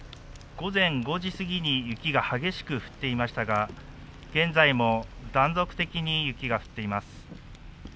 午前５時過ぎに雪が激しく降っていましたが、現在も断続的に雪が降っています。